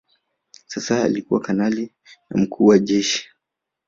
Sasa alikuwa kanali na mkuu wa Jeshi